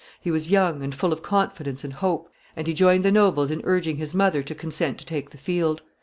He was young, and full of confidence and hope, and he joined the nobles in urging his mother to consent to take the field.